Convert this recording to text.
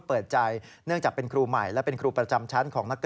แล้วก็อยากให้เรื่องนี้จบไปเพราะว่ามันกระทบกระเทือนทั้งจิตใจของคุณครู